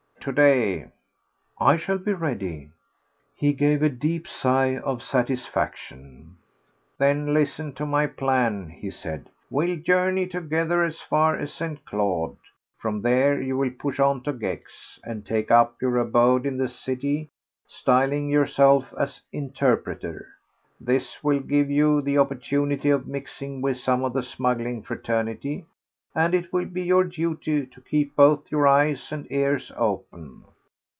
"To day." "I shall be ready." He gave a deep sigh of satisfaction. "Then listen to my plan," he said. "We'll journey together as far as St. Claude; from there you will push on to Gex, and take up your abode in the city, styling yourself an interpreter. This will give you the opportunity of mixing with some of the smuggling fraternity, and it will be your duty to keep both your eyes and ears open.